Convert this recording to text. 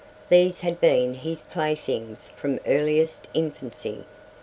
These had been his playthings from earliest infancy.